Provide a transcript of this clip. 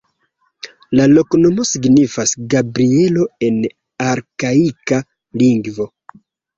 La loknomo signifas Gabrielo en arkaika lingvo.